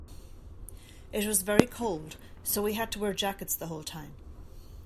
It was very cold so we had to wear jackets the whole time.